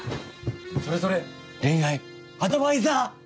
それそれ恋愛アドバイザー！